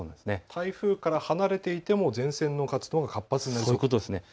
台風から離れていても前線の活動が活発になりそうですか。